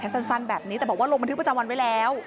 แต่บอกว่าลงบันทึกประจำวันไว้แล้ว